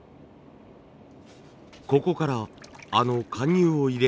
ここからあの貫入を入れる工程。